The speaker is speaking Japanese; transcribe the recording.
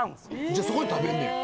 じゃあそこで食べんねや。